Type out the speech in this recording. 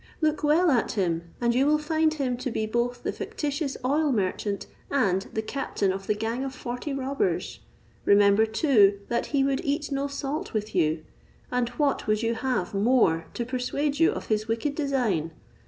Look well at him, and you will find him to be both the fictitious oil merchant, and the captain of the gang of forty robbers. Remember, too, that he would eat no salt with you; and what would you have more to persuade you of his wicked design?